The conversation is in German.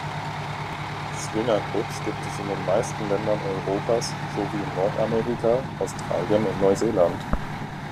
Swingerclubs gibt es in den meisten Ländern Europas sowie in Nordamerika, Australien und Neuseeland.